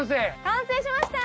完成しました！